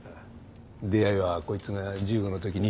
出会いはこいつが１５の時に。